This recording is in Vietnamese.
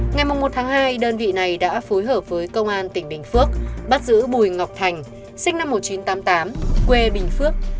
ngày một hai đơn vị này đã phối hợp với công an tỉnh bình phước bắt giữ bùi ngọc thành sinh năm một nghìn chín trăm tám mươi tám quê bình phước